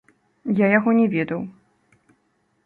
Я яго не ведаў.